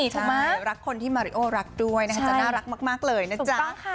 ใช่รักคนที่มาริโอรักด้วยนะคะจะน่ารักมากเลยนะจ๊ะ